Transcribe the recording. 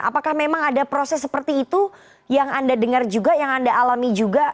apakah memang ada proses seperti itu yang anda dengar juga yang anda alami juga